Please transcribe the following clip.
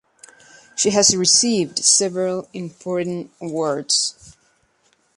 She has received several important awards.